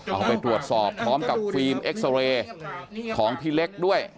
เอาไปตรวจสอบพร้อมกับฟิล์มเอ็กซาเรย์ของพี่เล็กด้วย